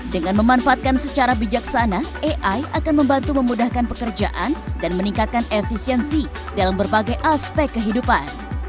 dengan memanfaatkan secara bijaksana ai akan membantu memudahkan pekerjaan dan meningkatkan efisiensi dalam berbagai aspek kehidupan